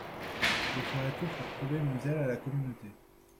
Je ferai tout pour prouver mon zèle à la communauté.